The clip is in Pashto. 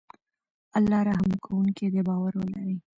الله رحم کوونکی دی باور ولری